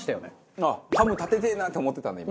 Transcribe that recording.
あっハム立ててえなって思ってたんだ今まで。